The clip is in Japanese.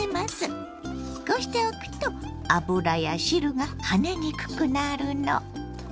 こうしておくと油や汁が跳ねにくくなるの。